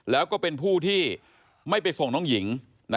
แล้วก็เป็นผู้ที่ไม่ไปส่งน้องหญิง